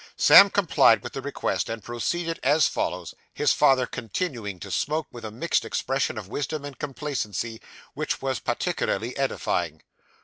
Sam complied with the request, and proceeded as follows; his father continuing to smoke, with a mixed expression of wisdom and complacency, which was particularly edifying.